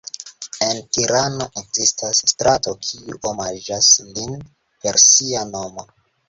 En Tirano ekzistas strato kiu omaĝas lin per sia nomo.